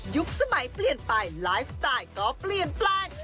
สมัยเปลี่ยนไปไลฟ์สไตล์ก็เปลี่ยนแปลง